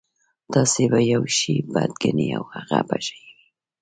تاسې به يو شی بد ګڼئ او هغه به ښه وي.